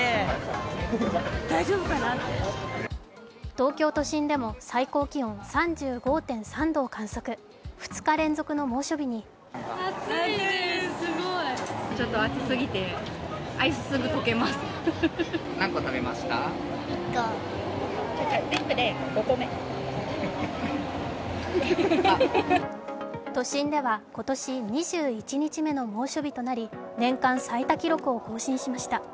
東京都心でも最高気温３５．３度を観測２日連続の猛暑日に都心では今年２１日目の猛暑日となり年間最多記録を更新しました。